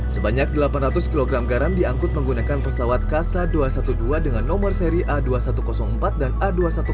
sebanyak delapan ratus kg garam diangkut menggunakan pesawat kasa dua ratus dua belas dengan nomor seri a dua ribu satu ratus empat dan a dua ratus dua puluh